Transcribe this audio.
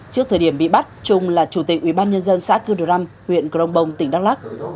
trước thời điểm bị bắt trung là chủ tịch ủy ban nhân dân xã cư đô răm huyện crong bong tỉnh đắk lắc